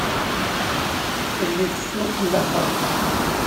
Telliḍ tettwakellaxeḍ.